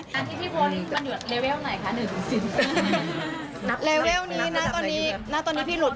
ที่พี่พูดมันเหนือเลเวลไหนคะหนึ่งหรือสิบ